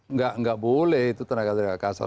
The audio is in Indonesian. nggak boleh itu tenaga tenaga kasar